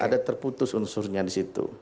ada terputus unsurnya disitu